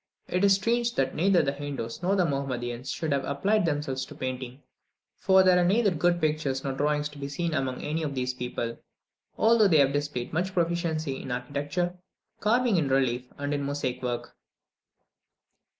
It is strange that neither the Hindoos nor the Mahometans should have applied themselves to painting, for there are neither good pictures nor drawings to be seen among any of these people, although they have displayed such proficiency in architecture, carving in relief, and in mosaic work.